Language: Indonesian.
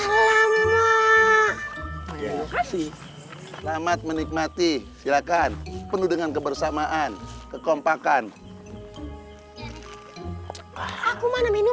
alamuak kasih selamat menikmati silakan penuh dengan kebersamaan kekompakan aku